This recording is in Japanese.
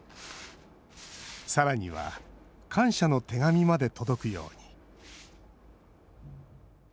さらには、感謝の手紙まで届くように。